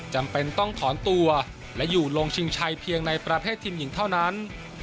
จำเป็นต้องถอนตัวและอยู่ลงชิงชัยเพียงในประเภททีมหญิงเท่านั้น